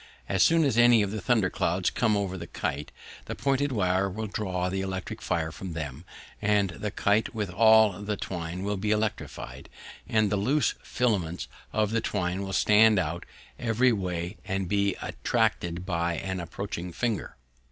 As soon as any of the thunder clouds come over the kite, the pointed wire will draw the electric fire from them, and the kite, with all the twine will be electrified, and the loose filaments of the twine will stand out every way and be attracted by an approaching finger.